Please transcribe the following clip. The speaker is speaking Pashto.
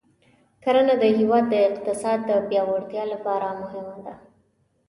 کرنه د هېواد د اقتصاد د پیاوړتیا لپاره مهمه ده.